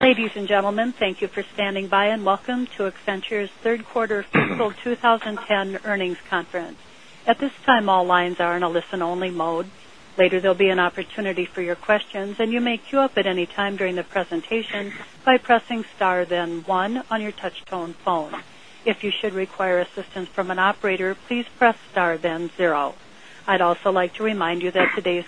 Ladies and gentlemen, thank you for standing by and welcome to Accenture's Third Quarter Fiscal 20 10 Earnings Conference. I'd also like to remind you that today's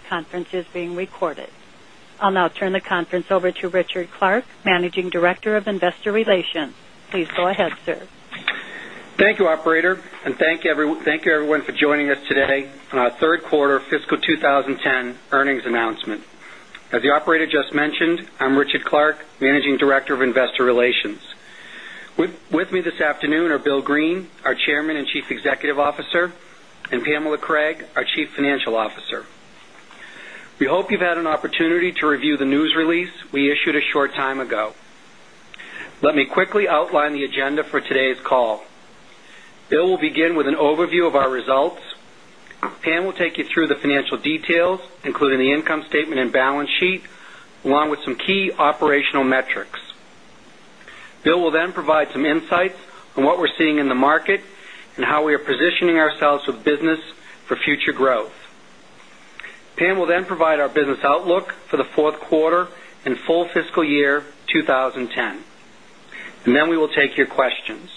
I'll now turn the conference over to Richard Clark, Managing Director of Investor Relations. Please go ahead, sir. Thank you, operator, and thank you, everyone, for joining us today on our Q3 fiscal 2010 earnings announcement. As the operator just mentioned, I'm Richard Clark, Managing Director of Investor Relations. With me this afternoon are Bill Green, our Chairman and Chief Executive Officer and Pamela Craig, our Chief Financial Officer. We hope you've had an opportunity to review the news release we issued a short time ago. Let me quickly outline the agenda for today's call. Bill will begin with an overview of our results. Pam will take you through the financial details, including the income statement and balance sheet, along with some key operational metrics. Bill will then provide some insights and how we are positioning ourselves with business for future growth. Pam will then provide our business outlook for the 4th quarter and full fiscal year 2010. And then we will take your questions.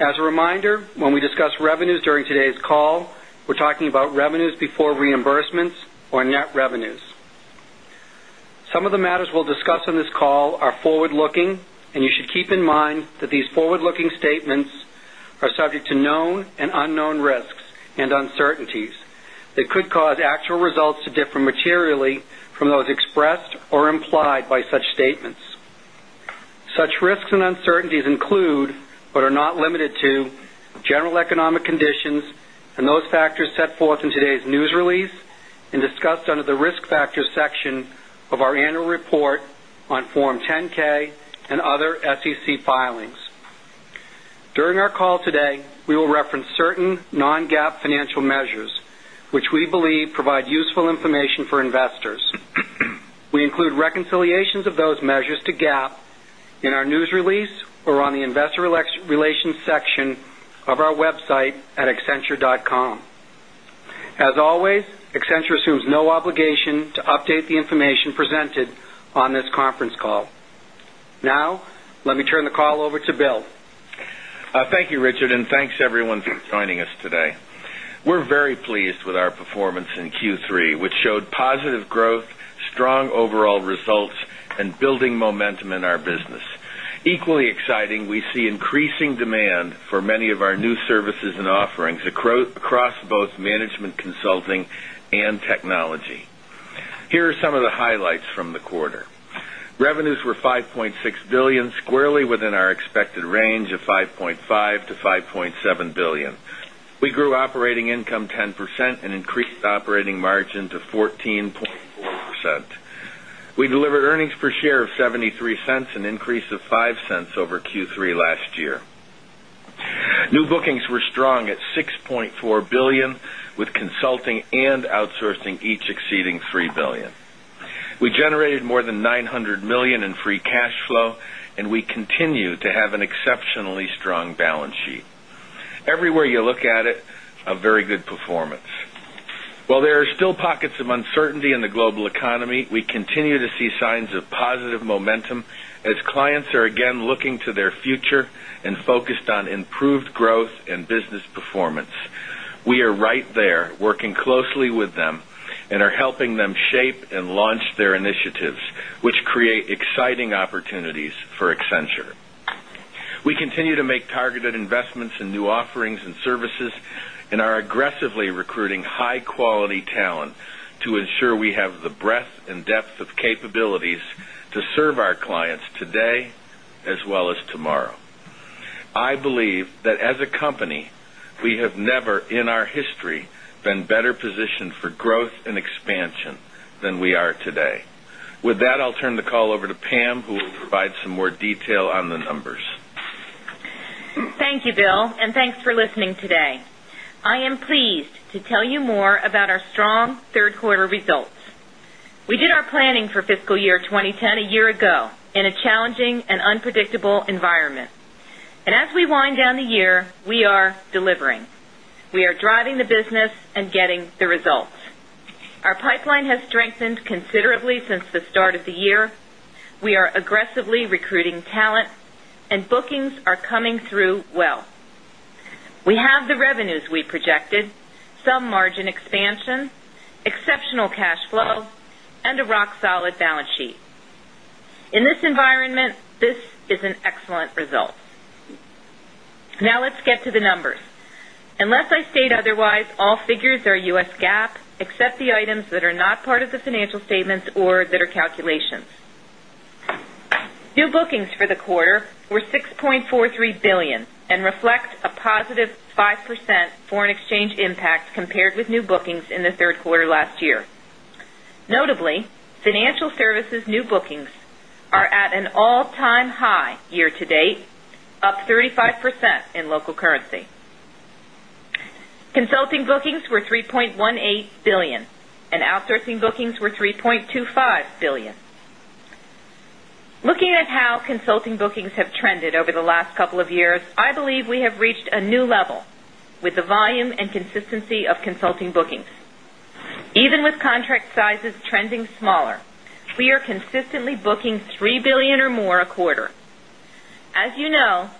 As a reminder, when we discuss revenues during today's call, we're talking about revenues before reimbursements or net revenues. Some of the matters we'll discuss on this call are forward looking, and you should keep in mind that these forward looking statements are subject to known and unknown risks and uncertainties that could cause actual results to differ materially from those expressed or implied by such statements. Such risks and uncertainties under the Risk Factors section of our Annual Report on Form 10 ks and other SEC filings. During our call today, we will reference certain non GAAP financial measures, which we believe provide useful information for investors. We include reconciliations of those measures to GAAP in our news release or on the Investor Relations section of our website at accenturedot com. As always, Accenture assumes no obligation to update the information presented on this conference call. Now, let me the call over to Bill. Thank you, Richard, and thanks everyone for joining us today. We're very pleased with our performance in Q3, which showed positive growth, strong overall results and building momentum in our business. Equally exciting, we see increasing demand for many of our new services and offerings across both management consulting and technology. Here are some of the highlights from the quarter. Revenues were $5,600,000,000 squarely within our expected range of 5 point $5,000,000,000 to $5,700,000,000 We grew operating income 10% and increased operating margin to 14 point 4%. We delivered earnings per share of $0.73 an increase of $0.05 over Q3 last year. New bookings were strong at $6,400,000,000 with consulting and outsourcing each exceeding $3,000,000,000 We generated more than $900,000,000 in cash flow and we continue to have an exceptionally strong balance sheet. Everywhere you look at it, a very good performance. While there are still pockets of uncertainty in the global economy, we continue to see signs of positive momentum as clients are again looking to their future and focused on improved growth and business performance. We are right there working closely with them and are helping them shape and launch their initiatives, which create exciting opportunities for Accenture. We continue to make targeted investments in new offerings and services and are aggressively recruiting high quality talent to ensure we have the breadth and depth of capabilities to serve our clients today as well as tomorrow. I believe that as a company, we have never in our history been better positioned for growth and expansion than we are today. With that, I'll turn the call over to Pam, who will provide some more detail the numbers. Thank you, Bill, and thanks for listening today. I am pleased to tell you environment. And as we wind down the year, we are delivering. We are driving the business and getting the results. Our pipeline has strengthened considerably since the start of the year. We are aggressively recruiting talent and bookings are coming through well. We have the revenues we projected, some margin expansion, exceptional cash flow and a rock solid balance sheet. In this environment, this is an excellent result. Now let's get to the numbers. Unless I state otherwise, all figures are U. S. GAAP, except 4 Consulting bookings were $3,180,000,000 and outsourcing bookings were 3 point $2,500,000,000 Looking at how consulting bookings have trended over the last couple of years, I believe we have reached a new level with the volume and consistency of consulting bookings. Even with contract sizes trending smaller, we are consistently booking $3,000,000,000 or more suite, but also from the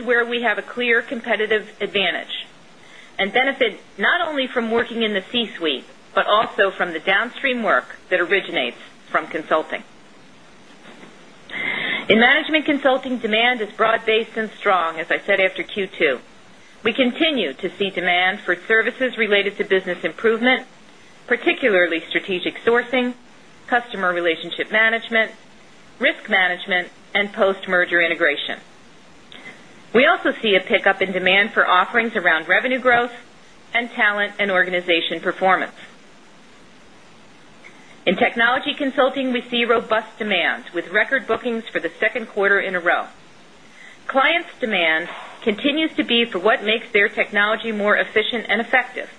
suite, but also from the downstream work that originates from consulting. Particularly strategic sourcing, customer relationship management, risk management and post merger integration. We also see a pickup in demand for offerings around revenue growth and talent and organization performance. In technology consulting, we see robust demand with record bookings for the Q2 in a row. Clients' demand continues to be for what makes their technology more and effective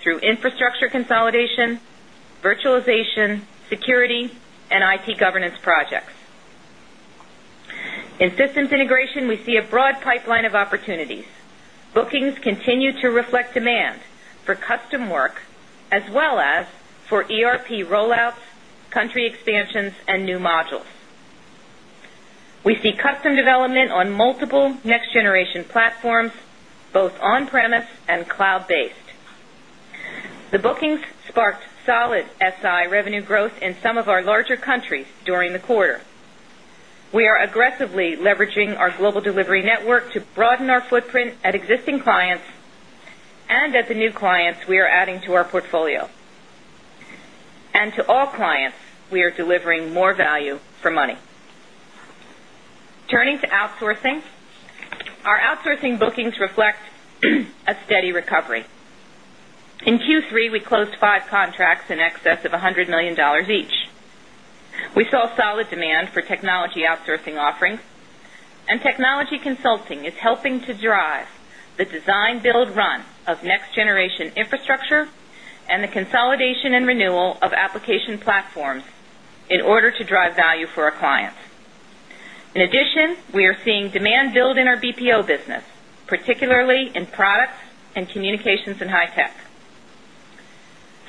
through infrastructure consolidation, virtualization, security and IT governance projects. In systems integration, we see a broad pipeline of opportunities. Bookings continue to reflect demand for custom work as well as for ERP rollouts, country expansions and new modules. We see custom development on multiple next generation platforms, both on premise and cloud based. The bookings sparked solid SI revenue growth in some of our larger countries during the quarter. We are aggressively leveraging our global delivery network to broaden our footprint at existing clients and at the new clients we are adding to our portfolio. And to all clients, we are delivering more value for money. Turning to outsourcing. Our outsourcing bookings a steady recovery. In Q3, we closed 5 contracts in excess of $100,000,000 each. We saw solid demand for technology outsourcing offerings and technology consulting is helping to drive the design build run of next generation infrastructure and the consolidation and renewal of application platforms in order to drive value for our clients. In addition, we are seeing demand build in our BPO business, particularly in products and communications and high-tech.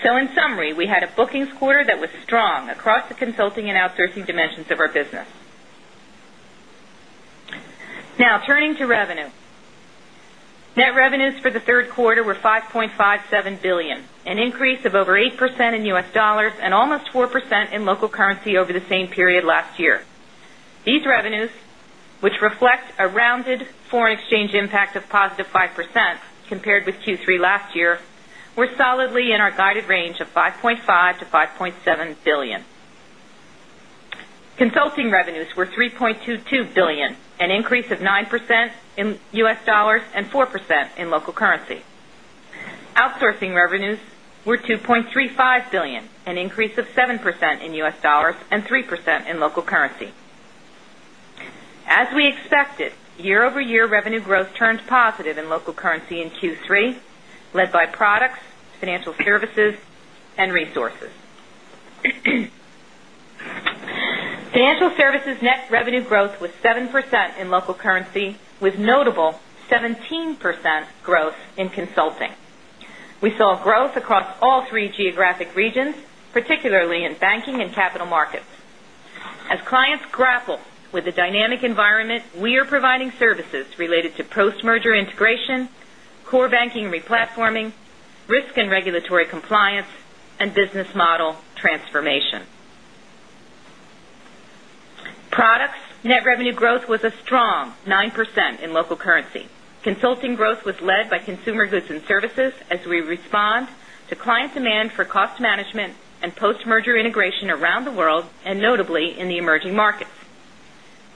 So in summary, we had a bookings quarter that was strong across the consulting and outsourcing dimensions of our business. Now turning to revenue. Net revenues for the Q3 were $5,570,000,000 an increase of over 8% in U. S. Dollars and almost 4% in local currency over the same period last year. These revenues, which reflect a rounded foreign exchange impact of positive 5% compared with Q3 last year, were solidly in our guided range of $5,500,000,000 to $5,700,000,000 Consulting revenues were 3.22 $1,000,000,000 an increase of 9% in U. S. Dollars and 4% in local currency. Outsourcing revenues were 2.3 $5,000,000,000 an increase of 7% in U. S. Dollars and 3% in local currency. As we expected, year over year revenue growth turned positive in local currency in Q3, led by products, financial services and financial services and resources. Financial services net revenue growth was 7% in local currency with notable capital markets. As clients grapple with the dynamic environment, we are providing services related to post merger integration, core banking replatforming, risk and regulatory compliance and business model transformation. Products net revenue growth was a strong 9% in local currency. Consulting growth was led by consumer goods and services as we respond to client demand for cost management and post merger integration around the world and notably in the emerging markets.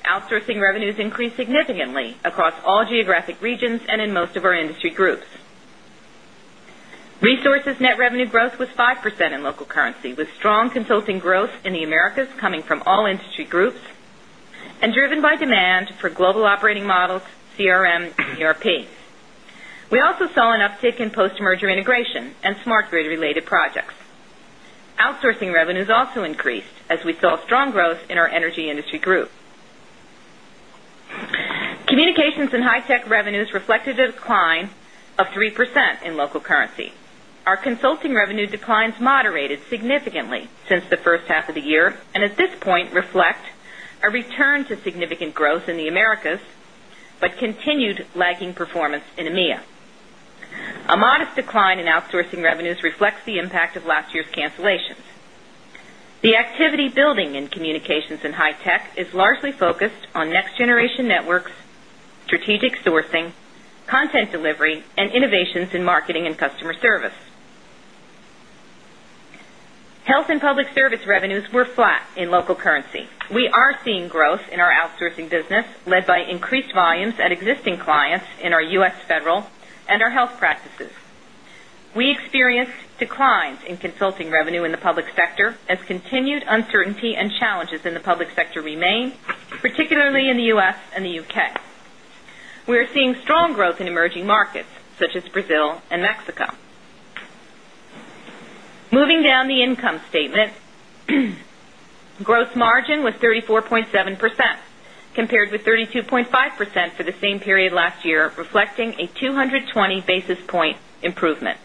Outsourcing revenues increased significantly across all geographic regions and in most of our industry groups. Resources net revenue growth was 5% in local currency with strong consulting growth in the Americas coming from all industry groups and driven by demand for global operating models, CRM and ERP. We also saw an uptick in post merger integration and smart grid related projects. Outsourcing revenues also increased as we saw strong growth in our energy industry group. Communications and High-tech revenues reflected a decline of 3% in local currency. Our consulting revenue declines moderated significantly since the A modest decline in outsourcing revenues reflects the impact of last year's cancellations. The activity building in communications and high-tech is largely focused on next generation networks, strategic sourcing, content delivery and innovations in marketing and customer service. Health and public service revenues were flat in local currency. We are seeing growth in our outsourcing business led by increased volumes at existing clients in our US Federal and our health practices. We experienced declines in consulting revenue in the public sector as continued uncertainty and challenges in the public sector remain, particularly in the U. S. And the U. K. We are seeing strong growth in emerging markets, such as Brazil and Mexico. Moving down the income statement. Gross margin was 34.7 percent compared with 32.5 percent for the same period last year, reflecting a 220 basis point improvement.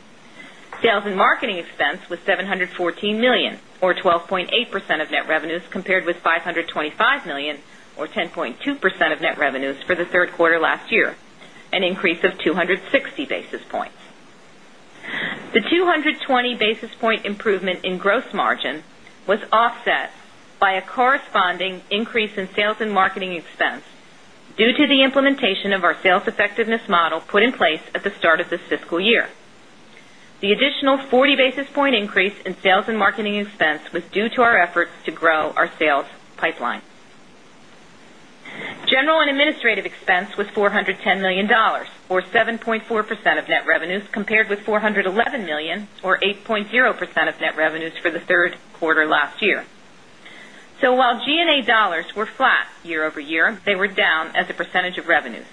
Sales and marketing expense was $714,000,000 or 12.8 percent of net revenues compared with $525,000,000 or 10.2 percent of net revenues for the Q3 last year, an increase of 2 60 basis points. The 220 basis point improvement in gross margin was offset by a corresponding increase in sales and marketing expense due to the implementation of our sales effectiveness model put in place at the at the with $411,000,000 or 8.0 percent of net revenues for the Q3 last year. So while G and A dollars were flat year over year, they were down as a percentage of revenues.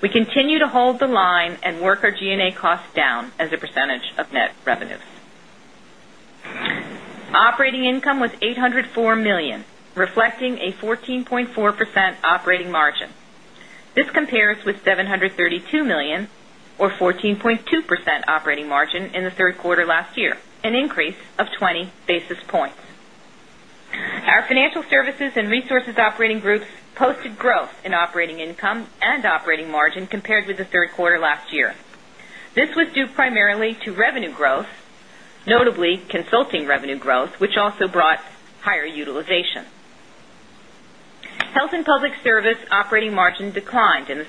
We continue to hold the line and work our G and A cost down as a percentage of net revenues. Operating income was 804,000,000 dollars reflecting a 14.4 percent operating margin. This compares with $732,000,000 or 14.2 percent operating margin in the Q3 last year, an increase of 20 basis points. Our financial services and financial services and resources operating groups posted growth in operating income and operating margin compared with the Q3 last year. This was due primarily to revenue growth, to revenue growth, notably consulting revenue growth, which also brought higher utilization. Health and Public Service operating margin declined in the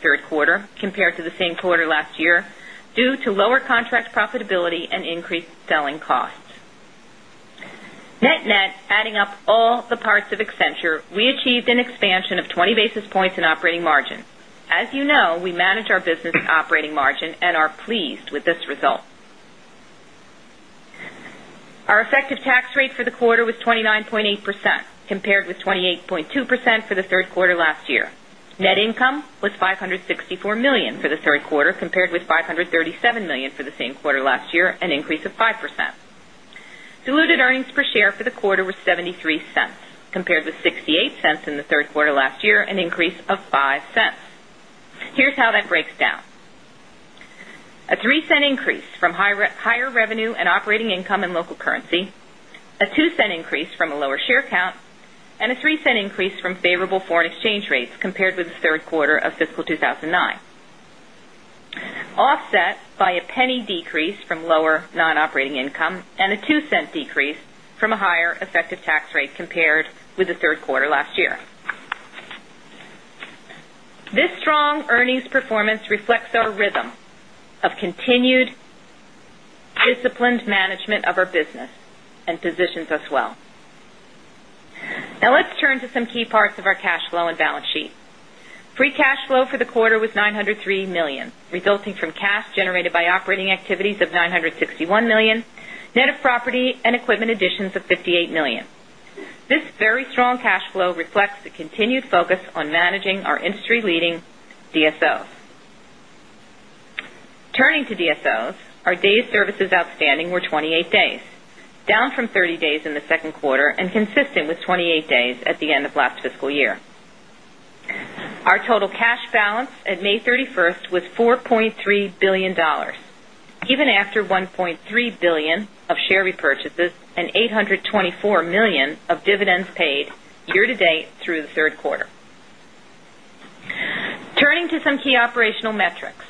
Accenture, we achieved an expansion of 20 basis points in operating margin. As you know, we manage our business operating margin and are pleased with this result. Our effective tax rate for the quarter was 29.8 percent compared with 28.2 percent for the Q3 last year. Net income was $564,000,000 for the 3rd quarter compared with $537,000,000 for the same quarter last year, an increase of 5%. Diluted earnings per share for the quarter was $0.73 compared with $0.68 in the Q3 last year, an increase of 0 point 0 $5 Here's how that breaks down. A $0.03 increase from higher revenue and operating income in local currency, a 0 point 0 $2 increase from a lower share count and a 0 point 0 $3 increase from a 0 point 0 $3 increase from favorable foreign exchange rates compared with the Q3 of fiscal 2019, offset by a $0.01 decrease from lower non operating $0.01 decrease from lower non operating income and a $0.02 decrease from a higher effective tax rate compared with the Q3 last year. This strong earnings performance reflects our rhythm of continued disciplined management of our business and positions us well. Now let's turn to some key parts of our cash flow and balance sheet. Free cash flow for the quarter was $903,000,000 resulting from cash generated by operating activities of $961,000,000 net of property and equipment additions of $58,000,000 This very strong cash flow reflects the continued focus on managing our industry leading DSOs. Turning to DSOs, our days services outstanding were 28 days, down from 30 days in the second quarter and consistent with 28 days at the end of last $300,000,000 of share repurchases and $824,000,000 of dividends paid year to date through the Q3. Turning to some key operational metrics.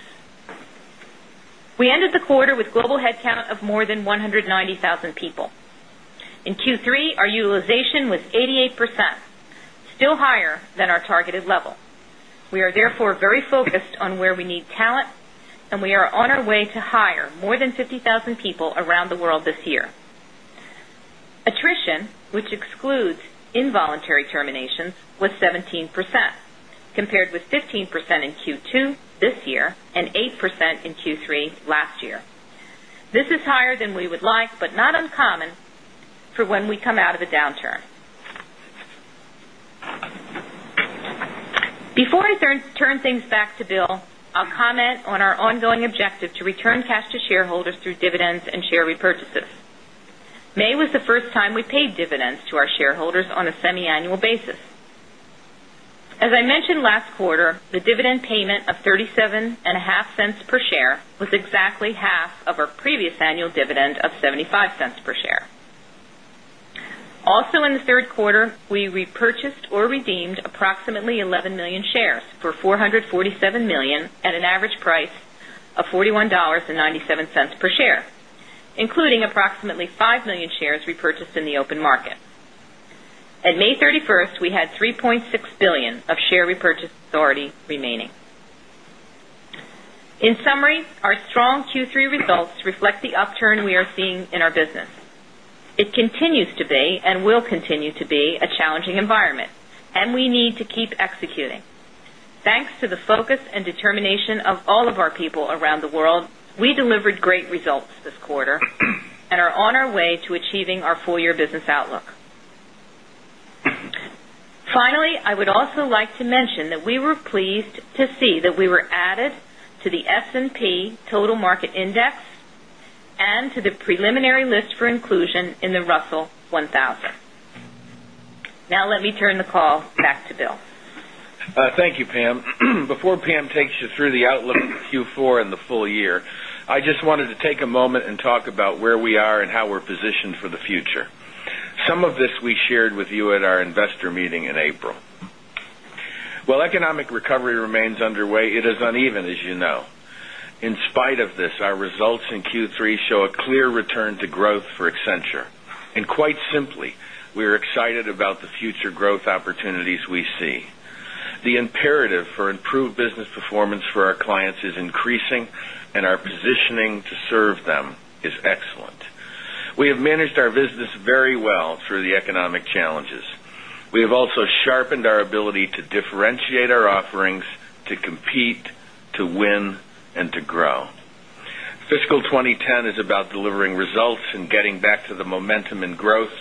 We ended the quarter with global headcount of more than 190,000 people. In Q3, our utilization was 88%, still higher than our targeted level. We are therefore very focused on where we need talent and we are on our way to hire more than 50,000 people around the world this year. Attrition, which excludes involuntary terminations, was 17%, compared with 15% in Q2 this year and 8% in Q3 last year. This is higher than we would like, but not uncommon for when we come out of a downturn. Before I turn things back to Bill, I'll comment on our ongoing objective to return cash to shareholders through dividends and share repurchases. May was the first time we paid dividends to our shareholders on a semiannual basis. As I mentioned last quarter, the dividend payment of $0.375 per share was exactly half of our previous annual dividend of $0.75 per share. Also in the Q3, we repurchased or redeemed approximately 11,000,000 shares for $447,000,000 at an average price of $41.97 per share, including approximately 5,000,000 shares repurchased in the open market. At May 31, we had 3,600,000,000 of share repurchase authority remaining. In summary, our strong Q3 results reflect the to keep executing. Thanks to the focus and determination of all of our people around the world, we delivered great results this quarter and are on our way to achieving our full year business outlook. Finally, I would also like to mention that we the preliminary list for inclusion in the Russell 1,000. Now let me turn the call back to Bill. Thank you, Pam. Before Pam takes you through the outlook for Q4 and the full year, I just wanted to take a moment and talk about where we are and how we're positioned for the future. We uneven as you know. In spite of this, our results in Q3 show a clear return to growth for Accenture. And quite simply, we our positioning to serve them is excellent. We have managed our business very well through the economic challenges. We have also sharpened our ability to differentiate our offerings to compete, to win and to grow. Fiscal 2010 is about delivering results and getting back to the momentum and growth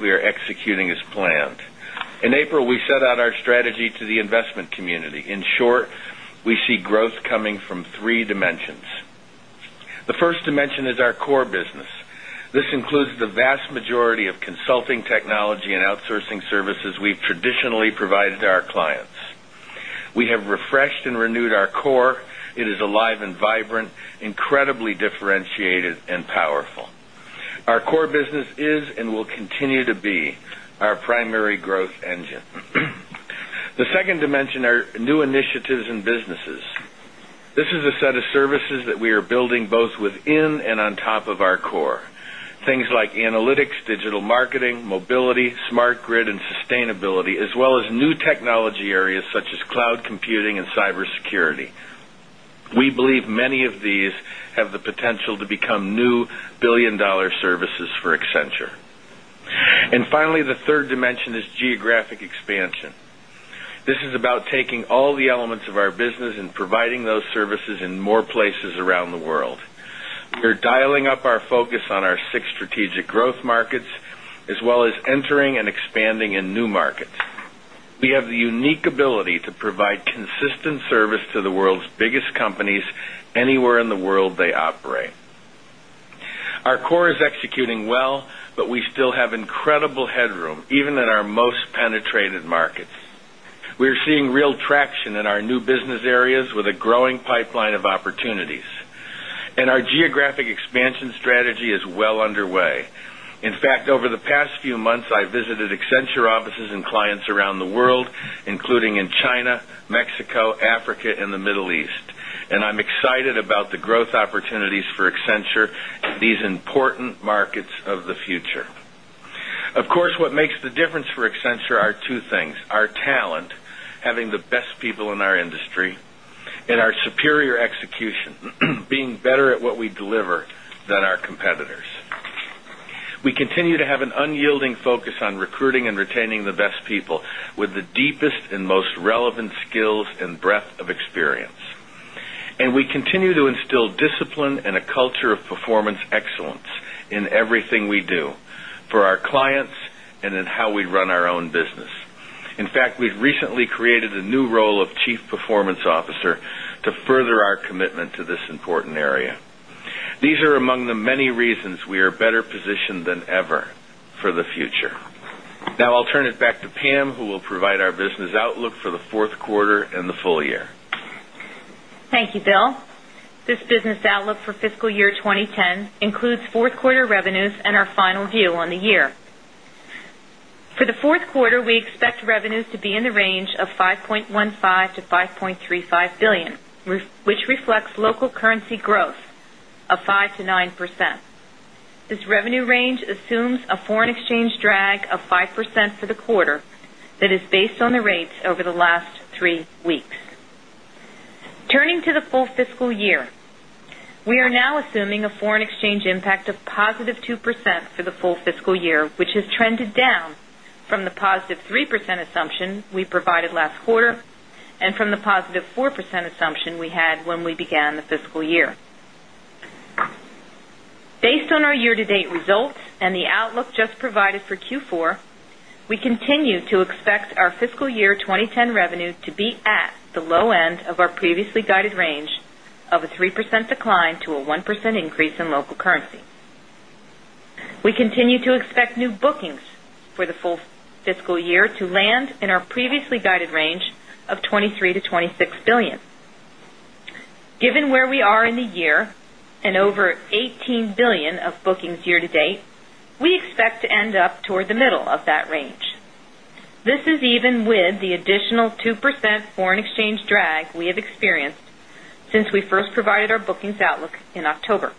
we are executing as planned. In April, we set out our strategy to the investment community. In short, we see growth coming from 3 dimensions. The first dimension is our core business. This includes the vast majority of consulting technology and outsourcing services we've traditionally provided to our clients. We have refreshed and renewed our core. It is alive and vibrant, incredibly differentiated and powerful. Our core business is and will continue to be our primary growth engine. The second dimension are new initiatives and businesses. This is a set of services that we are building both within and on top of our core. Things like analytics, digital marketing, mobility, smart grid and sustainability as well as new technology areas such as cloud computing and cybersecurity. We believe many of these have the potential to become new $1,000,000,000 services for Accenture. And finally, the 3rd dimension is geographic expansion. This is about taking all the elements of our business and providing those services in more places around the world. We are dialing up our focus on our 6 strategic growth markets as well as entering and expanding in new markets. We have the unique ability to provide consistent service to the world's biggest companies anywhere in the world they operate. Our core is executing well, but we still have incredible headroom even in our most penetrated markets. We are seeing real traction in our new business areas with a growing pipeline of opportunities. And our geographic expansion strategy is well underway. In fact, over the past few months, I visited Accenture offices and clients around the world, including in China, Mexico, Africa and the Middle East. And I'm excited about the Accenture are 2 things, our talent, having the best people in our industry and our superior execution, being better at what we deliver than our competitors. We continue to have an unyielding focus on recruiting and retaining the best people with the deepest and most relevant skills and breadth of experience. And we continue to instill discipline and a culture of performance excellence in everything we do for our clients and in how we run our own business. In fact, we've recently created a new role of Chief Performance Officer to further our commitment to this important area. These are among the many reasons we are better positioned than ever for the future. Now I'll turn it back to Pam, who will provide our business outlook for the Q4 and the full year. Thank you, Bill. This business outlook for fiscal year 2010 includes 4th quarter revenues and our final view on the year. For the Q4, we expect revenues to be in the range of $5,150,000,000 to $5,350,000,000 which reflects local currency growth of 5% to 9%. This revenue range assumes a foreign exchange drag of 5% for the quarter that is based on the rates over the last 3 weeks. Turning to the full fiscal year. We are now assuming a foreign exchange impact of positive 2% for the full fiscal year, which has trended down from the positive 3% assumption we provided last quarter and from the positive 4% assumption we had when we percent decline to a 1% increase in local currency. We continue to expect new bookings for the full fiscal year to land in our previously guided range of $23,000,000,000 to $26,000,000,000 Given where we are in the year and over 18 $1,000,000,000 of bookings year to date, we expect to end up toward the middle of that range. This is even with the additional 2% foreign exchange drag we have experienced since we first provided our bookings outlook in October.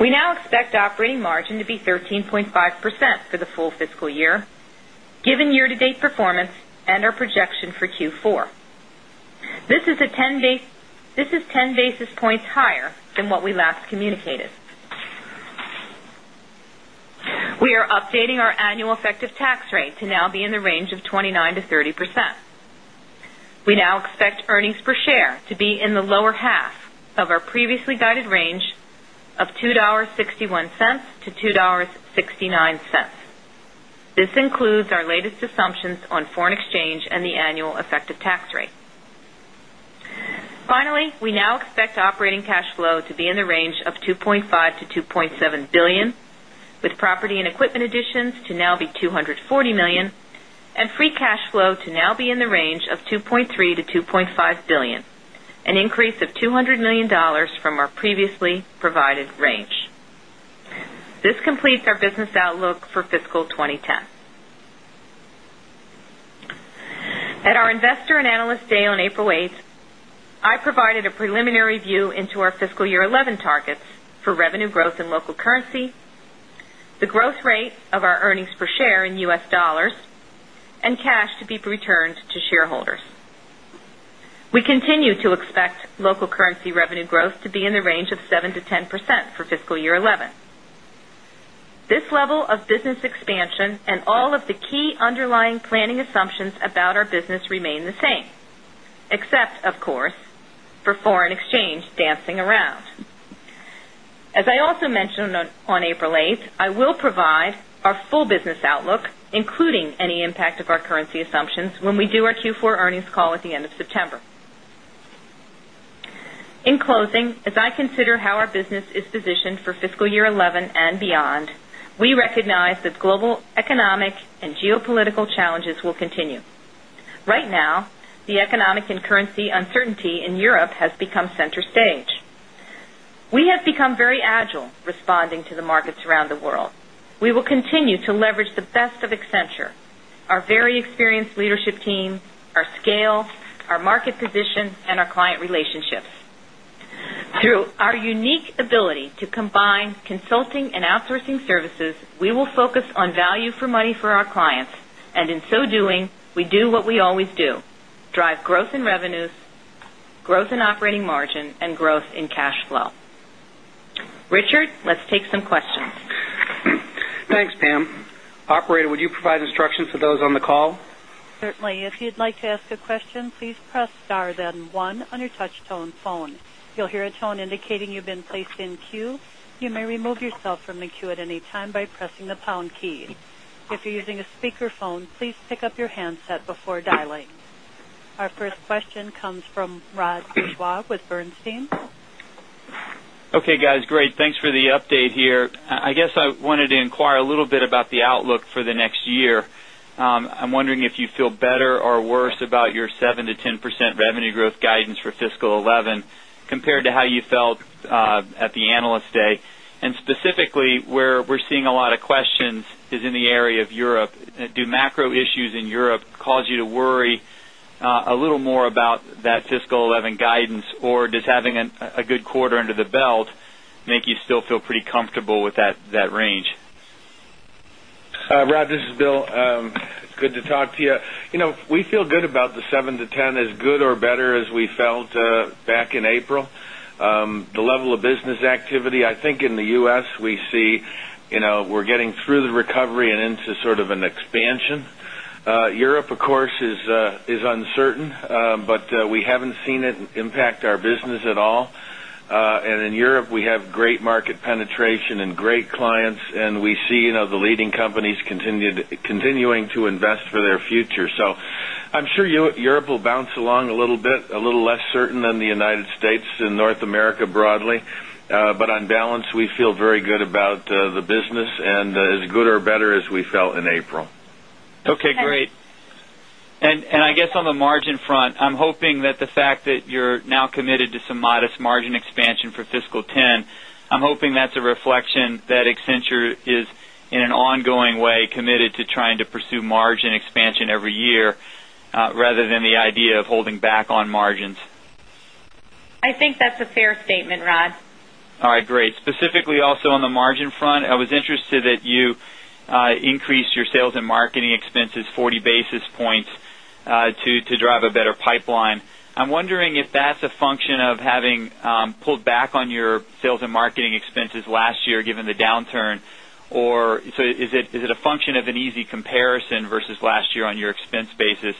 We now expect operating margin to be 13.5 percent for the full fiscal year given year to date performance and our projection Q4. This is 10 basis points higher than what we last communicated. We are updating our annual effective tax rate to now be in the range of 29% to 30%. We now expect earnings per share to be expect operating cash flow to be in the range of $2,500,000,000 to $2,700,000,000 with property and equipment additions to now be $240,000,000 and free cash flow to now be in the range of $2,300,000,000 to $2,500,000,000 an increase of $200,000,000 from our previously provided range. This completes our business outlook for fiscal 2010. At our Investor and Analyst Day on April 8, I provided a preliminary view into our fiscal year 2011 targets for revenue growth in local expect local currency revenue growth to be in the range of 7% to 10% for fiscal year 2011. This level of business expansion and all of the key underlying planning assumptions about our business remain the same, except of course for foreign exchange dancing around. As I also mentioned on April 8, I will provide our full business outlook, including any impact of our currency assumptions when we do our Q4 earnings call at the end of uncertainty in Europe has become center stage. We have become very agile responding to the markets around the world. We will continue to leverage the best of Accenture, our very experienced leadership team, our scale, our market position and our client relationships. Through our unique ability to combine consulting and outsourcing services, we will focus on value for money for our clients and in so doing, we do what we always Our first question comes from Raj Bourgeois with Bernstein. Okay, guys. Great. Thanks for the update here. I guess I wanted to inquire a little bit about the outlook for the next year. I'm wondering if you feel better or worse about your 7% to 10% revenue growth guidance for fiscal 2011 compared to how you felt at Analyst Day? And specifically, where we're seeing a lot of questions is in the area of Europe. Do macro issues in Europe cause you to worry a little more about that fiscal 2011 guidance? Or does having a good quarter under the belt make you still feel pretty comfortable with that range? Rob, this is Bill. It's good to talk to you. We feel good about the 7% to 10% as good or better as we felt back in April. The level of business activity, I think in the U. S, we see we're getting through the recovery and into sort of an expansion. Europe, of course, is uncertain, but we haven't seen it impact our business at all. And in Europe, we have great market penetration and great clients and we see the leading companies continuing invest for their future. So I'm sure Europe will bounce along a little bit, a little less certain than the United States and North America broadly. But on balance, we feel very good about the business and as good or better as we felt in April. Okay, great. And I guess on the margin front, I'm hoping that the fact that you're now committed to some modest margin expansion for fiscal 'ten, I'm hoping that's a reflection that Accenture is in an ongoing way committed to trying to pursue margin expansion every year rather than the idea of holding back on margins? I think that's a fair statement, Rod. All right, great. Specifically also on the margin front, I was interested that you increased your sales and marketing expenses 40 basis points to drive a better pipeline. I'm wondering if that's a function of having pulled back on your sales and marketing expenses last year given the downturn or so is it a function of an easy comparison versus last year on your expense basis?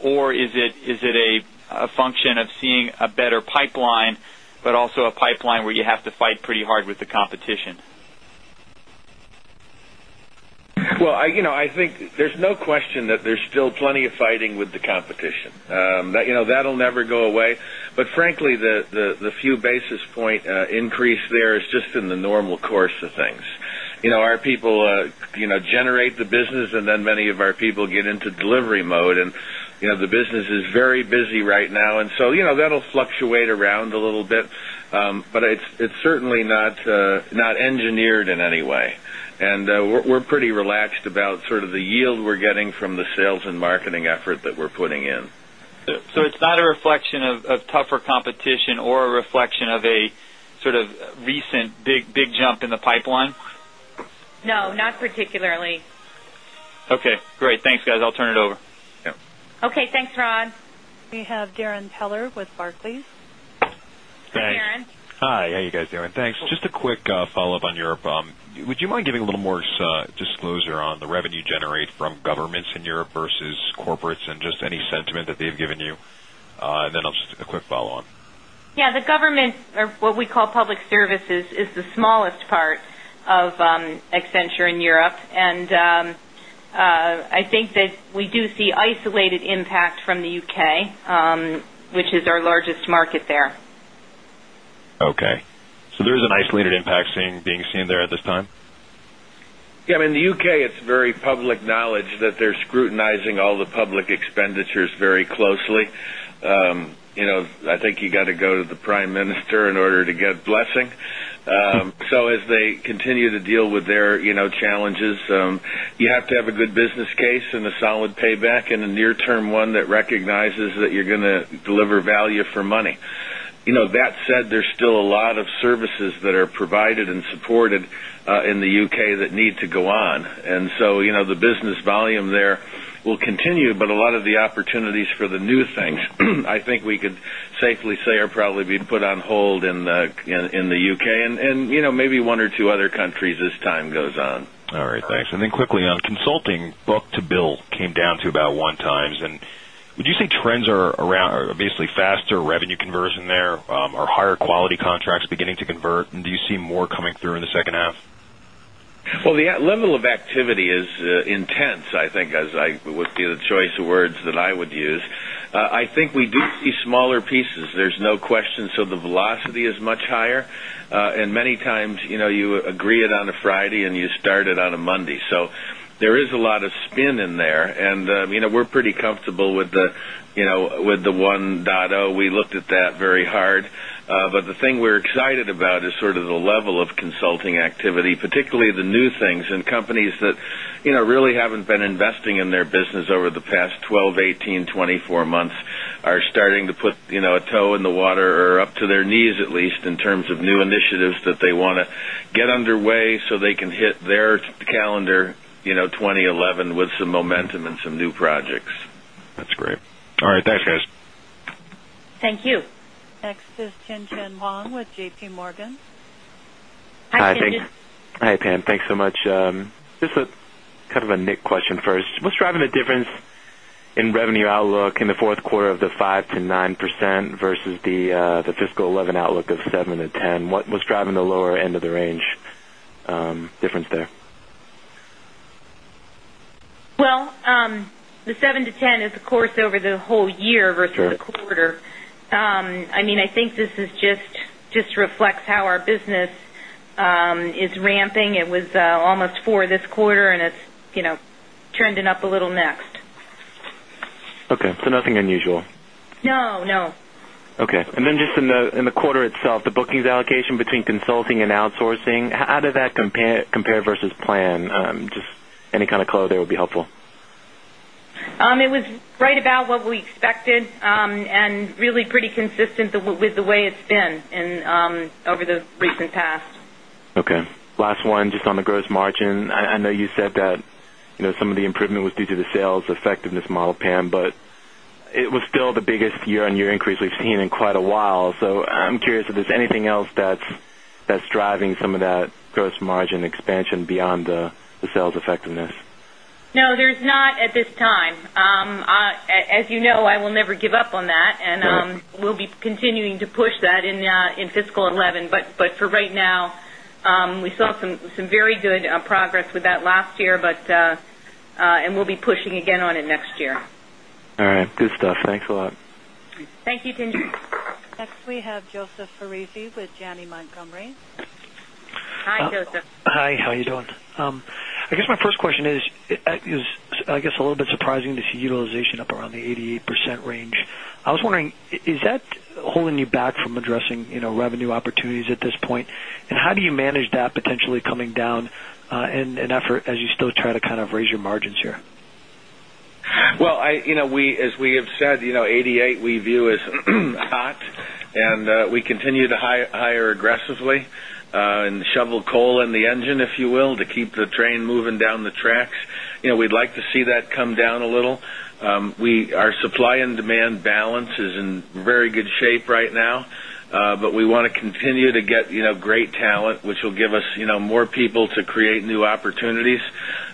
Or is it a function of seeing a better pipeline, but also a a question that there's still plenty of fighting with the competition. That will never go away. But frankly, the few basis point increase there is just in the normal course of things. Our people generate the business and then many of our people get into delivery mode and the business is very busy right now. And so that will fluctuate around a little bit, but it's certainly not engineered in any way. And we're pretty relaxed about sort of the yield we're getting from the sales and marketing effort that we're putting in. So it's not a reflection of tougher competition or a reflection of a sort of recent big jump in the pipeline? No, not particularly. Okay, great. Thanks guys. I'll turn it over. Okay. Thanks, Ron. We have Darrin Peller with Barclays. Just a quick follow-up on Europe. Would you mind giving a little more disclosure on the revenue generated from governments in Europe versus corporates and just any sentiment that they've given you? And then I'll just a quick follow on. Yes, the government or what we call public services is the smallest part of Accenture in Europe. And I think that we do see isolated impact from the UK, which is our largest market there. Okay. So there is an isolated impact being seen there at this time? Yes. I mean, the U. K, it's very public knowledge that they're scrutinizing all the public expenditures very closely. I think you got to go to the Prime Minister in order to get blessing. So as they continue to deal with their challenges, you have to have a good business case and a solid payback and a near term one that recognizes that you're going to deliver value for money. That said, there's still a lot of services that are provided and supported in the U. K. That need to go on. And so the business volume there will continue, but a lot of the opportunities for the new things, I think we could safely say are probably being put on hold in the UK and maybe 1 or 2 other countries as time goes on. All right, thanks. And then quickly on consulting book to bill came down to about 1x and would you say trends are around or basically faster revenue conversion there? Are higher quality contracts beginning to convert? And do you see more coming through in the second half? Well, the level of activity is intense, I think, as I would be the choice of words that I would use. I think we do see smaller pieces. There's no question, so the velocity is much higher. And many times, you agree it on a Friday and you start it on a Monday. So there is a lot of spin in there. And we're pretty comfortable with the 1.0. We looked at that very hard. But the thing we're excited about is sort of the level of consulting activity, particularly the new things and companies that really haven't been investing in their business over the past 12, 18, 24 months are starting to put a toe in the water or up to their knees at least in terms of new initiatives that they want to get underway so they can hit their calendar 2011 with some momentum and some new projects. That's great. All right. Thanks guys. Thank you. Next is Tien Tsin Huang with JPMorgan. Hi, Pam. Thanks so much. Just a kind of a Nick question first. What's driving the difference in revenue outlook in the 4th quarter of the 5% to 9% versus the fiscal 2011 outlook of 7% to 10%? What's driving the lower end of the range there? Well, the 7% to 10% is of course over the whole year versus the quarter. I mean I think this is just reflects how our business is ramping. It was almost 4 this quarter and it's trending up a little next. Okay. So nothing unusual? In up a little next. Okay. So nothing unusual? No, no. Okay. And then just in the quarter itself, the bookings allocation between It was right about what we expected and really pretty consistent with the way it's been over the recent past. Okay. Last one just on the gross margin. I know you said that some of the improvement was due to the sales effectiveness model Pam, but it was still the biggest year on year increase we've seen in quite a while. So I'm curious if there's anything else that's driving some of that gross margin expansion beyond the sales effectiveness? No, there's not at this time. As you know, I will never give up on that and we'll be continuing to push that in fiscal 'eleven. But for right now, we saw some very good progress with that last year, but and we'll be pushing again on it next year. All right. Good stuff. Thanks a lot. Thank you, Tien Tsin. Tien Tsin. Next we have Joseph Foresi with Janney Montgomery. Hi, Joseph. Hi, how are you doing? I guess my first question is, I guess a little bit surprising to see utilization up around the 88% range. I was wondering is that holding you back from addressing revenue opportunities at this point? And how do you manage that potentially coming down in an effort as you still try kind of raise your margins here? Well, as we have said, 88 we view as hot and we continue to hire aggressively in shovel coal and the engine, if you will, to keep the train moving down the tracks. We'd like to see that come down a little. Our supply and demand balance is in very good shape right now, but we want to continue to get great talent, which will give us more people to create new opportunities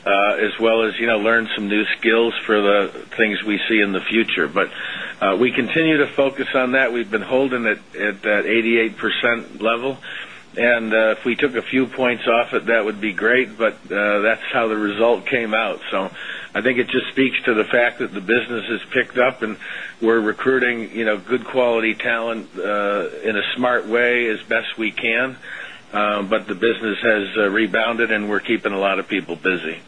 as well as learn some new skills for the the things we see in the future. But we continue to focus on that. We've been holding it at that 88% level. And if we took a few points off it, that would be talent in a smart way as best we can, but the business has rebounded and we're keeping a lot of people busy.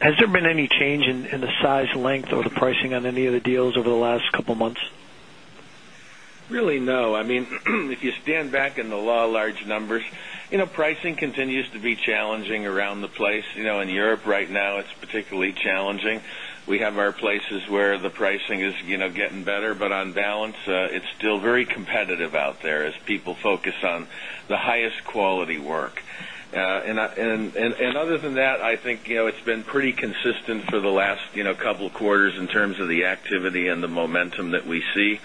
Has there been any change in the size, length or the pricing on any of the deals over the last couple of months? Really, no. I mean, if you stand back in the law of large numbers, pricing continues to be challenging around the place. In Europe right now, it's particularly challenging. We have our places where the pricing is getting better, but on balance, it's still very competitive out there as people focus on highest quality work. And other than that, I think it's been pretty consistent for the last couple of quarters in terms of the activity and the the activity and the momentum that we see.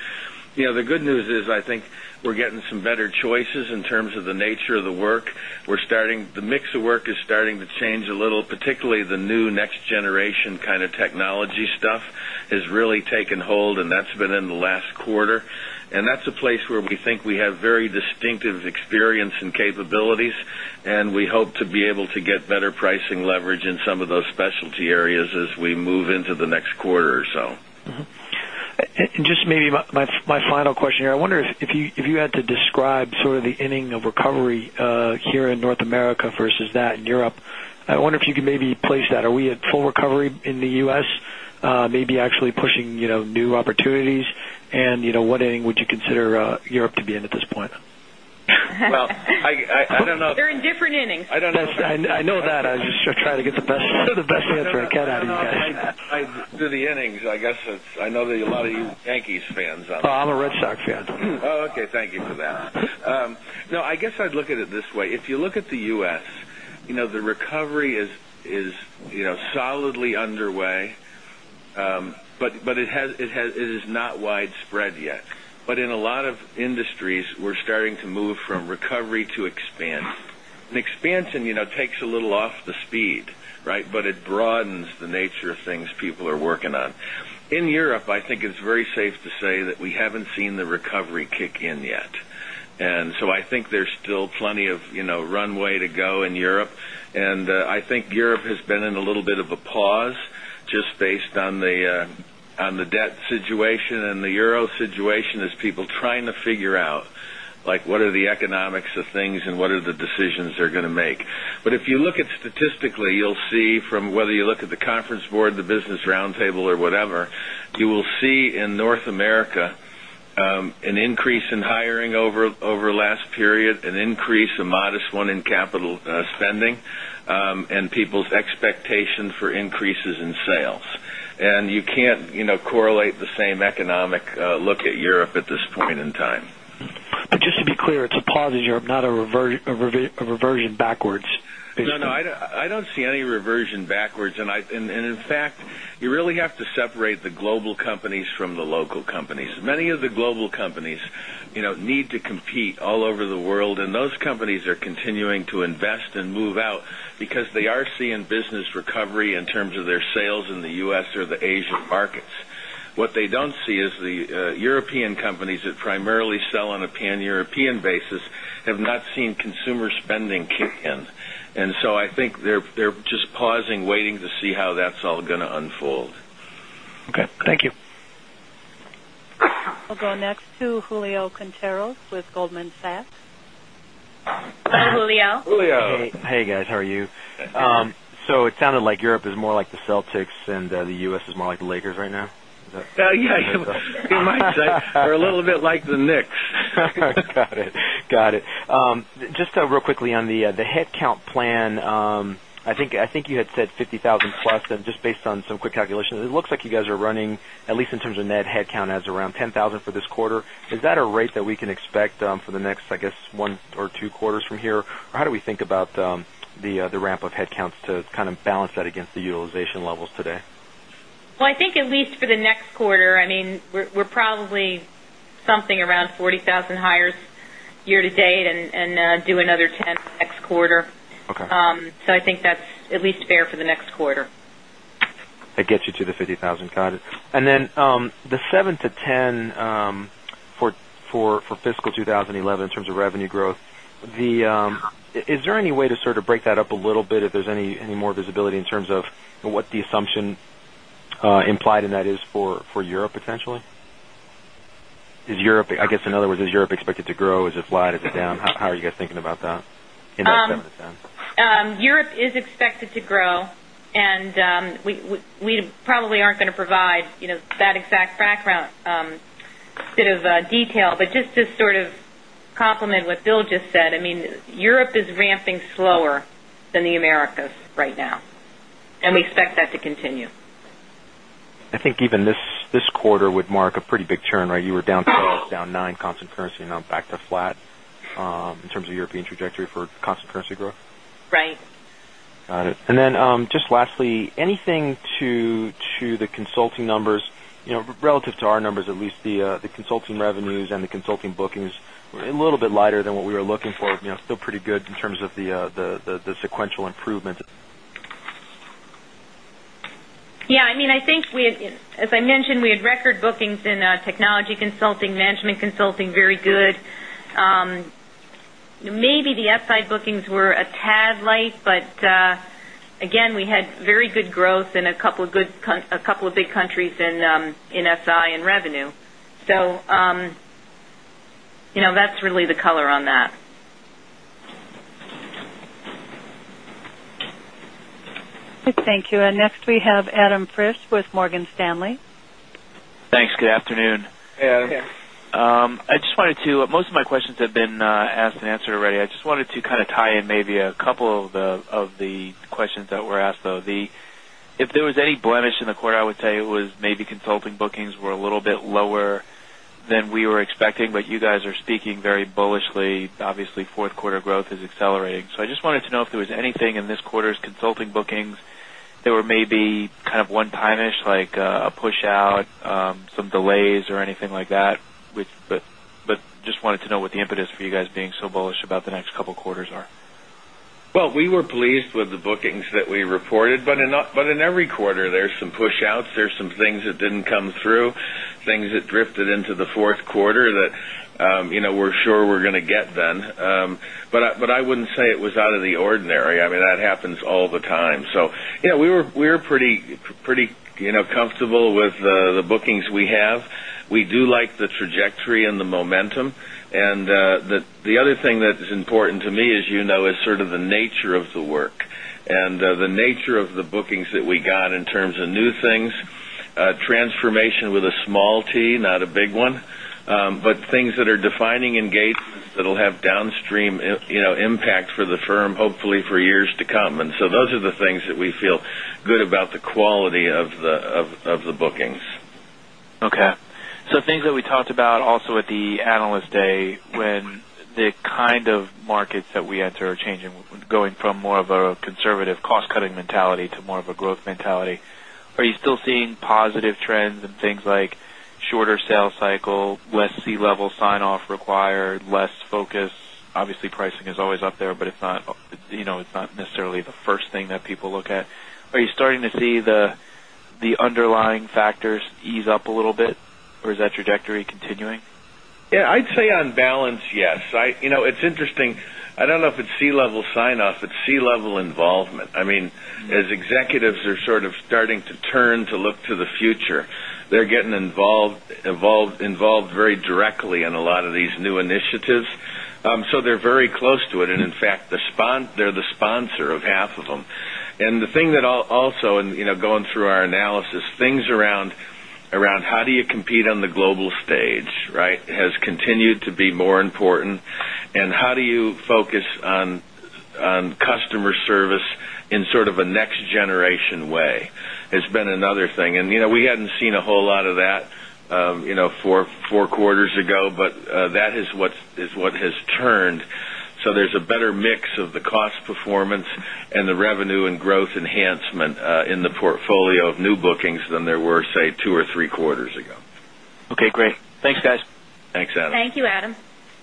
The good news is, I think, we're getting some better choices in terms of the nature of the work. The mix of work is starting to change a little, particularly the new next generation kind of technology stuff has really taken hold, and that's been in the last quarter. And that's a place where we think we have very distinctive experience and capabilities, and we hope be able to get better pricing leverage in some of those specialty areas as we move into the next quarter or so. And just maybe my final question here. I wonder if you had to describe sort of the inning of recovery here in North America versus that in Europe. I wonder if you could maybe place that. Are we at full recovery in the U. S, maybe actually pushing new opportunities? And what inning would you consider Europe to be in at this point? Well, I don't know. They're in different innings. I don't know. I know that. I was just trying to get the best answer I can add to you guys. Through the innings, I guess, I know that a lot of you Yankees fans are. I'm a Red Sox fan. Okay. Thank you for that. No, I guess I'd look at it this way. If you look at the U. S, the recovery is solidly underway, but it is not widespread yet. But in a lot of industries, we're starting to move from recovery to expansion. And expansion takes a little off the speed, right? But it broadens the nature of things people are working on. In Europe, I think it's very safe to say that we haven't seen the recovery kick in yet. And so I think there's still plenty of runway to go in Europe. And I think Europe has been in a little bit of a pause just based on the debt situation and the euro situation as people trying to figure out like what are the economics of things and what are the decisions they're going to make. But if you look at statistically, you'll see from whether you look at the conference board, the business roundtable or whatever, you will see in North America, an increase in hiring over last period, an increase, a modest one in capital spending, and people's expectation for increases in sales. And you can't correlate the same economic look at Europe at this point in time. But just to be clear, it's a positive Europe, not a reversion companies from the local companies. Many of the global companies, you know, companies from the local companies. Many of the global companies need to compete all over the world and those companies are continuing to invest and move out because they are seeing European companies that primarily don't see is the European companies that primarily sell on a pan European basis have not seen consumer spending kick in. And so I think they're just pausing waiting to see how that's all going to unfold. Okay. Thank you. We'll next to Julio Conteros with Goldman Sachs. Hi, Julio. Hey, guys. How are you? So it sounded like Europe is more like the Celtics and the U. S. Is more like the Lakers right now? Yes. You might say they're a little bit like the Knicks. Got it. Just real quickly on the headcount plan, I think you had said 50,000 plus and just based on some quick calculations, it looks like you guys are running at least in terms of net headcount as around 10,000 for this quarter. Is that a rate that we can expect for the next, I guess, 1 or 2 quarters from here? Or how do we think about the ramp up headcounts to kind of balance that against the utilization levels today? Well, I think at least for the next quarter, I mean, we're probably something around 40,000 hires year to date and do another 10 next quarter. So I think that's at least fair for the next quarter. That gets you to the 50,000. Got it. And then the 7 to 10 for fiscal 2011 in terms of revenue growth, is there any way to sort of break that up a little bit if there's any visibility in terms of what the assumption implied in that is for Europe potentially? Is Europe I guess in other words, Europe expected to grow, is it flat, is it down? How are you guys thinking about that in that sense? Europe is expected to grow and we probably aren't going to provide that exact background bit of detail. But just to sort of complement what Bill just said, I mean, even quarter would mark a pretty big turn, right? You were down 9% constant currency and now back to flat in terms of European trajectory for constant currency growth? Right. Got it. And then just lastly, anything to the consulting numbers relative to our numbers at least the consulting revenues and the consulting bookings were a little bit lighter than what we were looking for, still pretty good in terms of the sequential improvement? Yes, I mean, I think as I mentioned, we had record bookings in technology consulting, management consulting very good. Maybe the SI bookings were a tad light, but again we had very good growth in a couple of big countries in SI and revenue. So that's really the color on that. Thank you. And next we have Adam Prisch with Morgan Stanley. Thanks. Good afternoon. Hey, Adam. I just wanted to most of my questions have been asked and answered already. I just wanted to kind of tie in maybe a couple of the questions that were asked though. If there was any blemish in the quarter, I would tell you it was maybe consulting bookings were a little bit lower than we were expecting, but you guys are speaking very bullishly. Obviously, Q4 growth is accelerating. So I just wanted to know if there was anything in this quarter's consulting bookings that were maybe kind of one time ish like a bookings that were maybe kind of one time ish like a push out, some delays or anything like that, but just wanted to know what the impetus for you guys being so bullish about the next couple of quarters are? Well, we were pleased with the bookings that we reported, but in every quarter there's some push outs, there's some things that didn't come through, things that drifted into the Q4 that we're sure we're going to get then. But I wouldn't say it was out of the ordinary. That happens all the time. So we're pretty comfortable with the bookings we have. We do like the trajectory and the momentum. And the other thing that is important to me, as you know, is sort of the nature of the work. And the nature of the bookings that we got in terms of new things, transformation with a small T, not a big one, but things that are defining engagement that will have downstream impact for the firm hopefully for years to come. And so those are the things that we feel good about the quality of the bookings. Okay. So things that we talked about also at the Analyst Day when the markets that we enter are changing going from more of a conservative cost cutting mentality to more of a growth mentality. Are you still seeing positive trends in things like shorter sales cycle, less sea level sign off required, less focus? Obviously pricing is always up there, but it's not necessarily the first thing that people look at. Are you starting to see the underlying factors ease up a little bit or is that trajectory continuing? Yes. I'd say on balance, yes. It's interesting. I don't know if it's sea level sign off, but sea level involvement. I mean, as executives are sort of starting to turn to look to the future, they're getting involved very directly in a lot of these new initiatives. So they're very close to it. In fact, they're the sponsor of half of them. And the thing that also going through our analysis, things around how do you compete on the global stage, right, has continued to be more important. And how do you focus on customer service in sort of a next generation way. It's been another thing. And we hadn't seen a whole lot of that 4 quarters ago, but that is what has turned. So there's a better mix of the cost performance and the revenue and growth enhancement in the portfolio of new bookings than there were say 2 or 3 quarters ago. Okay, great. Thanks guys. Thanks Adam. Thank you Adam.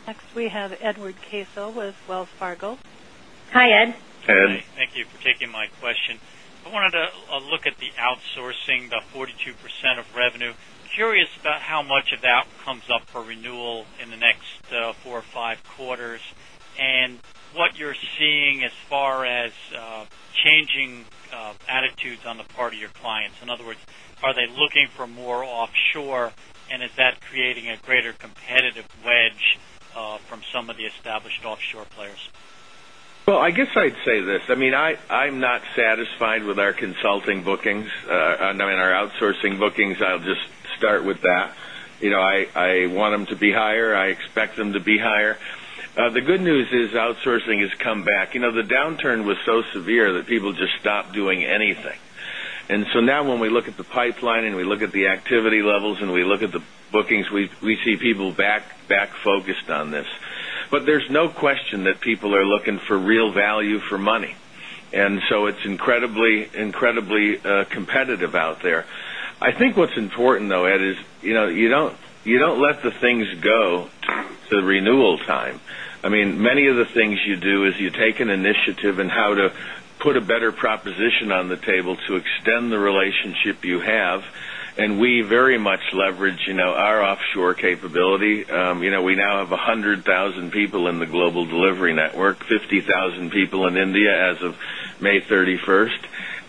Next we have Edward Caso with Wells Fargo. Curious about how much of that comes up for renewal in the next 4 or 5 quarters? And what you're seeing as far as changing attitudes on the part of your clients? In other words, are they looking for more offshore? And is that creating a greater competitive wedge satisfied with our consulting bookings. I mean, our outsourcing bookings, I'll just start with that. I want them to be higher. I expect them to be higher. The good news is outsourcing has come back. The downturn was so severe that people just stopped doing anything. And so now when we look at the pipeline and we look at the activity levels and we look at the bookings, we see people back focused on this. But there's no question that people are looking for real value for money. And so it's incredibly competitive out there. I think what's important though, Ed, is you don't take an initiative in how to put take an initiative and how to put a better proposition on the table to extend the relationship you have. And we very much leverage our offshore capability. We now have 100,000 people in the global delivery network, 50,000 people in India as of May 31.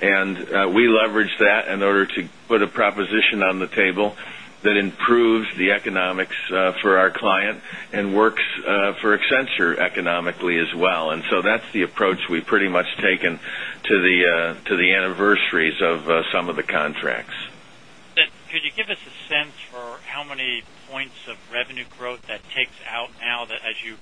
And we leverage that in order to put a proposition on the table that improves the economics for our client and works for Accenture economically as well. And so that's the approach we pretty much taken to the anniversaries contracts. Could you give us a sense for how many points of revenue growth that takes out now that as you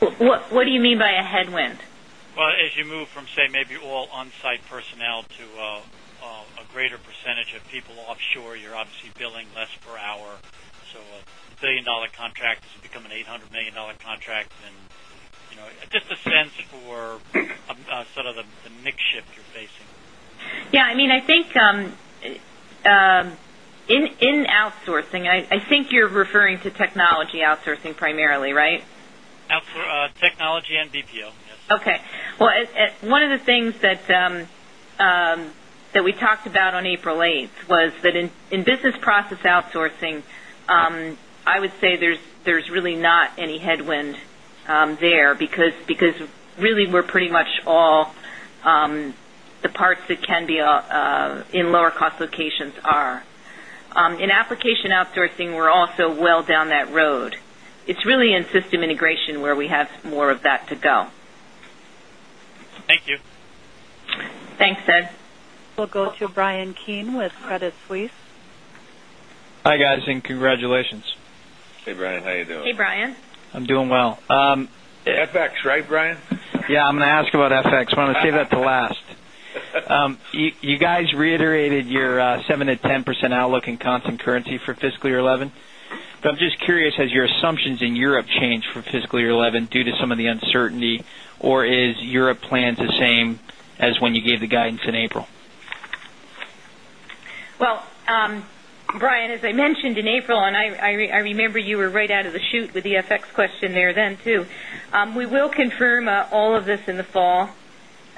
What do you mean by a headwind? Well, as you move from say maybe all on-site personnel to a greater percentage of people offshore, you're $1,000,000,000 contract has become an $800,000,000 contract. And just a sense for sort of the mix shift you're facing? Yes. I mean, I think in outsourcing, I think you're referring to technology outsourcing primarily, right? Technology and BPO, yes. Okay. Well, one of the things that we talked about on April 8 was that in business process outsourcing, I would say there is really not any headwind there, because really we're pretty much all the parts that can be in lower cost locations are. In application outsourcing, we're also well down that road. It's really in system integration where we have more of that to go. Thank you. Thanks, Ed. We'll go to Bryan Keane with Credit Suisse. Hi, Suisse. I'm doing well. FX, right, Bryan? Yes, curious, has your assumptions in Europe changed for fiscal year 2011 due to some of the uncertainty? Or is Europe plans the same as when you the guidance in April? Well, Brian, as I mentioned in April, and I remember you were right out of the chute with the FX question there then too. We will confirm all of this in the fall.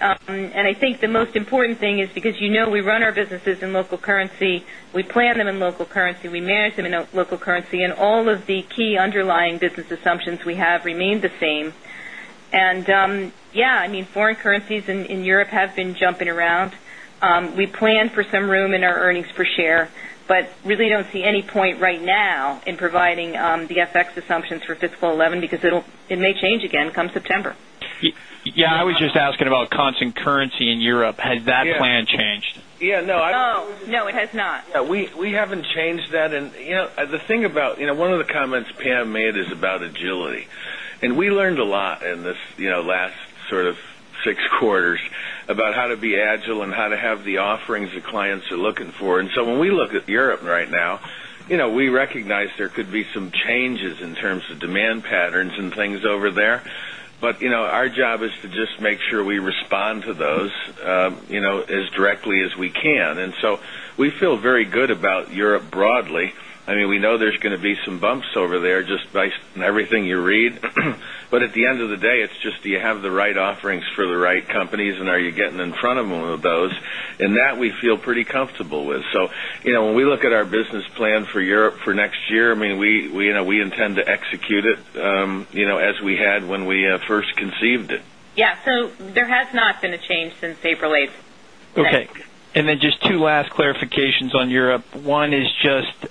And I think the most important thing is because we run our businesses in local currency, we plan them in local currency, we manage them in local currency and all of the key underlying business assumptions we have remained the same. And yes, I mean, foreign currencies in Europe have been jumping around. We plan for some room in our earnings per share, but really don't see any point right now in providing the FX assumptions for fiscal 2011 because it may change again come September. Yes, I was asking about constant currency in Europe. Has that plan changed? Yes. No, it has not. We haven't changed that. And the thing about one of the comments made is about agility. And we learned a lot in this last sort of 6 quarters about how to be agile and how to have the offerings the clients are looking for. And so when we look at Europe right now, we recognize there could be some changes in terms of demand patterns and things over there. But our job is to just make sure we respond to those as directly as we can. And so we feel very good about Europe broadly. I mean, we know there's going to be some bumps over there just based on everything you read. But at the end of the day, it's just you have the right offerings for the right companies and are you getting in front of all of those. And that we feel pretty comfortable with. So when we look at our business plan for Europe for next year, I mean, we intend to execute it as we had when we first conceived it. Yes. So there has not been a change since April 8. Okay. And then just two last clarifications on Europe. One is just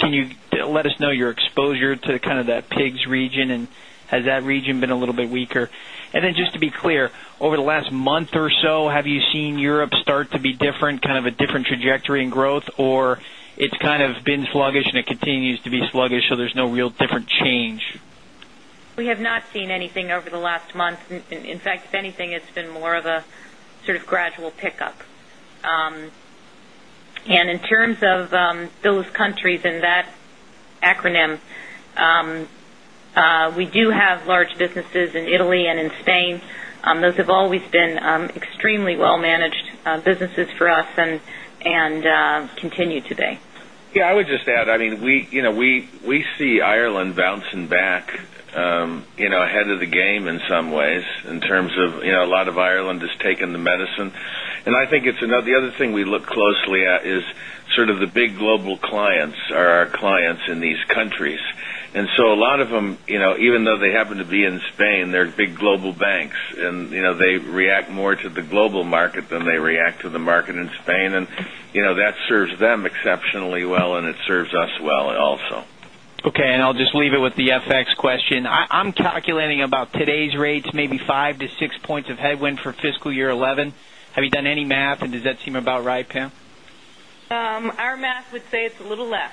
can you let us know your exposure to kind of that pigs region and has that region been a little bit weaker? And then just to be clear, over the last month or so, have you seen Europe start to be different, kind a different trajectory in growth or it's been sluggish and it continues to be sluggish, so there's no real different change? We have not seen anything over the last month. In fact, if anything, it's been more of a sort of gradual pickup. And in terms of those countries in that acronym, we do have large businesses in Italy and in Spain. Those have always been extremely well managed businesses for us and continue today. Yes. I would just add, I mean, we see Ireland bouncing back ahead of the game in some ways in terms of a lot of Ireland has taken the medicine. And I think it's the other thing we look closely, Spain, countries. And so a lot of them, even though they happen to be in Spain, they're big global banks and they react more to the global market than they react to the market in Spain and that serves them exceptionally well and it serves us well also. Okay. And I'll just leave it with the FX question. I'm Our math would say it's a little less.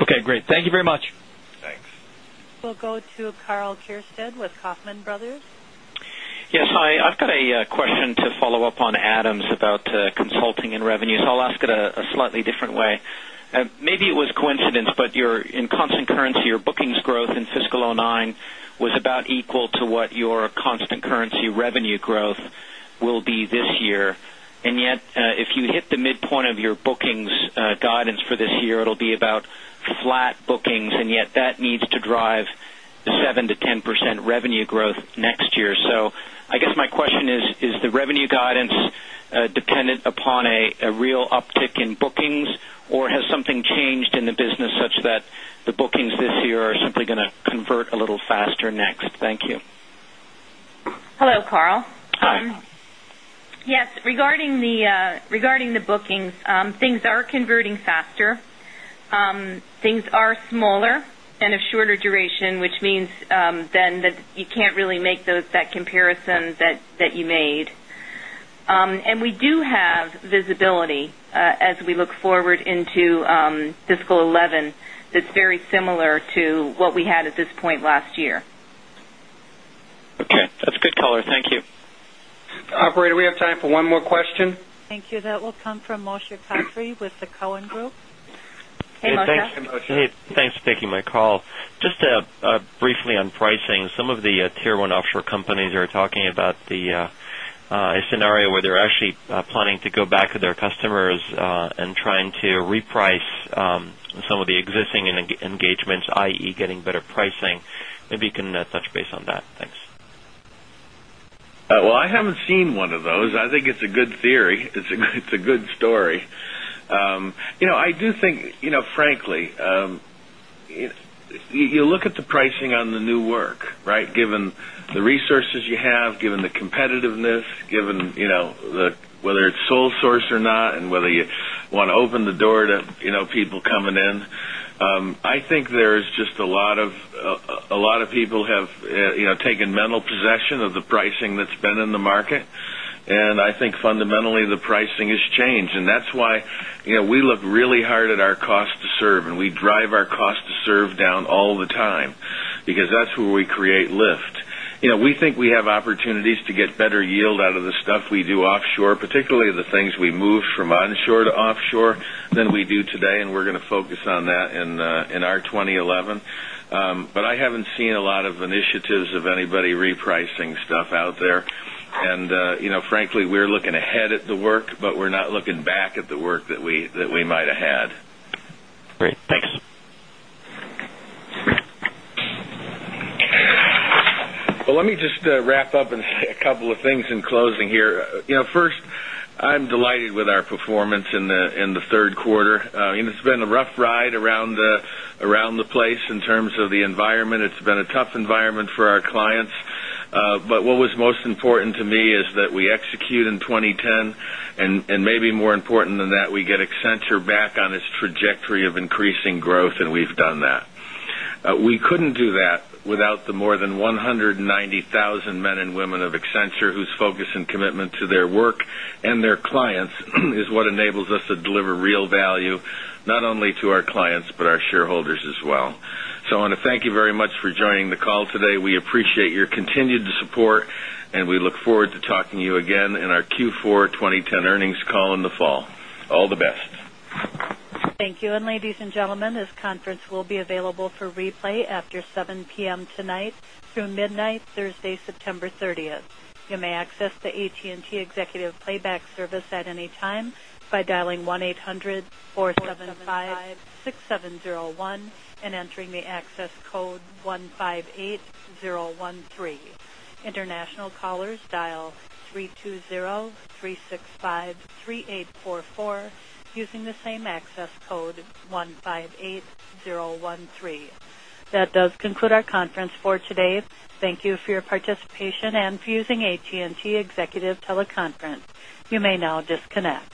Okay, great. Thank you very much. Thanks. We'll go to Karl Keirstead with Kaufman Brothers. Yes. Hi. I've got a question to follow-up on Adam's about consulting and revenue. So I'll ask it a slightly different way. Maybe it was coincidence, but in constant currency, your bookings growth in fiscal 2009 was about equal to what your constant currency revenue growth will be this year. And yet if you hit the midpoint of your bookings guidance for this year, it'll be about flat bookings and yet that needs to drive 7% to 10% revenue growth next year. So I guess my question is, is the revenue guidance dependent upon a real uptick in bookings or has something changed in the business such that the bookings this year are simply going to convert a little the bookings, things are converting faster. Things are smaller and of shorter duration, which means that you can't really make those that comparison that you made. And we do have visibility as we look forward into fiscal 2011 that's very similar to what we had at this point last year. Okay. That's good color. Thank you. Operator, we have time for one more question. Thank you. That will come from Moshe Katri with the Cowen Group. Just briefly on pricing, some of the Tier 1 offshore companies are talking about the scenario where they're actually planning to go back to their customers and trying to reprice some of the existing engagements I. E. Getting better pricing. Maybe you can touch base on that. Thanks. Well, I haven't seen one of those. I think it's a good theory. It's a good story. I do think, frankly, you look at the pricing on the new work, right, given the resources you have, given the competitiveness, given whether it's sole source or not and whether you want to open the door to people coming in. I think there is just a lot of people have taken mental possession of the pricing that's been in the market. I think fundamentally the pricing has changed. And that's why we look really hard at our cost to serve and we drive our cost to serve down all the time because that's where we create lift. We think we have opportunities to get better yield out of the stuff we do offshore, particularly the things we move from onshore to offshore than we do today, and we're going to focus on that in our 20 11. But I haven't seen a lot of initiatives of anybody repricing stuff out there. And frankly, we're looking ahead at the work, but we're not looking back at the work that we might have had. Great. Thanks. Let me just wrap up and say a couple of things in closing here. First, I'm delighted with our performance in the Q3. It's been a rough ride around the place in terms of the environment. It's been a tough environment for our clients. But what was most important to me is that we execute in 2010. And maybe more important than that, we get Accenture back on its trajectory of increasing growth and we've done that. We couldn't do that without the more than 190,000 men and women of Accenture whose focus and commitment to their work and their clients is what enables us to deliver real value not only to our clients, but our shareholders as well. So I thank you very much for joining the call today. We appreciate your continued support, and we look forward to talking to you again in our Q4 2010 earnings call in the fall. All the best. Thank you. And ladies and gentlemen, this conference will be available for replay after 7 p. M. Tonight through midnight Thursday, September 30. You may access the AT and T Executive Play back service at any time by dialing 1-eight hundred-four seventy five-six thousand seven hundred and one and entering the access code 1,000,000,000 13. International callers dial 320-365-3844 using the same access code 158,013. That does conclude our conference for today. Thank you for your participation and for using AT and T Executive Teleconference. You may now disconnect.